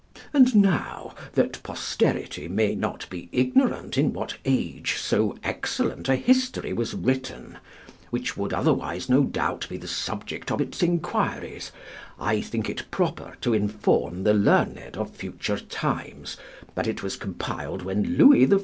And now, that posterity may not be ignorant in what age so excellent a history was written (which would otherwise, no doubt, be the subject of its inquiries), I think it proper to inform the learned of future times that it was compiled when Louis XIV.